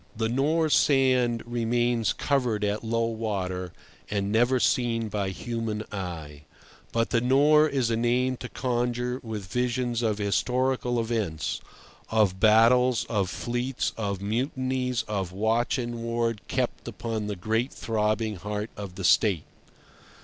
The Nore sand remains covered at low water, and never seen by human eye; but the Nore is a name to conjure with visions of historical events, of battles, of fleets, of mutinies, of watch and ward kept upon the great throbbing heart of the State.